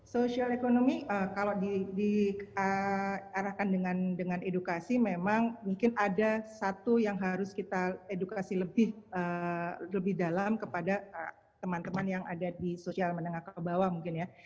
sosial ekonomi kalau diarahkan dengan edukasi memang mungkin ada satu yang harus kita edukasi lebih dalam kepada teman teman yang ada di sosial menengah ke bawah mungkin ya